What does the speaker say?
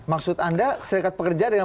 maksud anda serikat pekerja dengan